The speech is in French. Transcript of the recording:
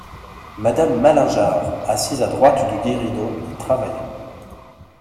Madame Malingear , assise à droite du guéridon et travaillant.